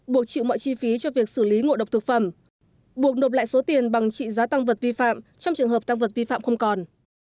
buộc chịu mọi chi phí cho việc xử lý ngộ độc thực phẩm buộc nộp lại số tiền bằng trị giá tăng vật vi phạm trong trường hợp tăng vật vi phạm không còn